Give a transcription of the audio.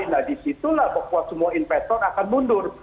nah di situlah semua investor akan mundur